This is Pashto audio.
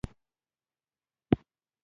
دې اقشارو ته به یې آزاد خلک ویل.